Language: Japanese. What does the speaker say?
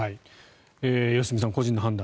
良純さん、個人の判断